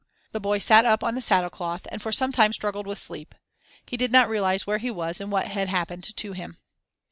The boy sat up on the saddle cloth and for some time struggled with sleep; he did not realize where he was and what had happened to him.